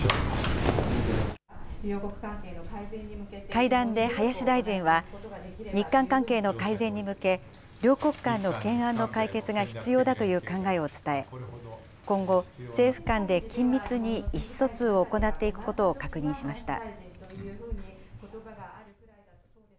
会談で林大臣は、日韓関係の改善に向け、両国間の懸案の解決が必要だという考えを伝え、今後、政府間で緊密に意思疎通を行っていくことを確認しました。